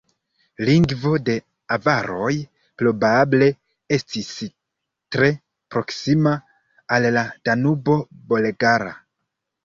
Lingvo de avaroj probable estis tre proksima al la Danubo-Bolgara.